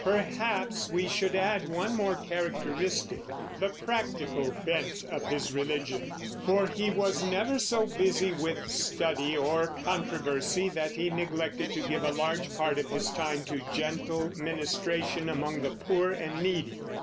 Perhaps we should add one more characteristic, the practical bent of his religion; for he was never so busy with study or controversy that he neglected to give a large part of his time to gentle ministration among the poor and needy.